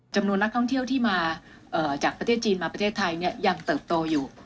จำนวนนักท่องเที่ยวที่มาจากประเทศจีนมาประเทศไทย